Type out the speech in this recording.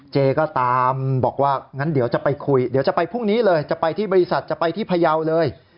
เจก็ตามบอกว่างั้นเดี๋ยวจะไปคุยเดี๋ยวจะไปพรุ่งนี้เลยจะไปที่บริษัทจะไปที่พยาวเลย